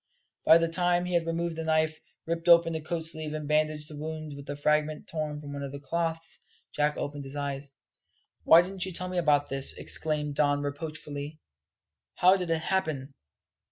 By the time he had removed the knife, ripped open the coat sleeve, and bandaged the wound with a fragment torn from one of the cloths, Jack opened his eyes. "Why didn't you tell me about this?" exclaimed Don reproachfully. "How did it happen?"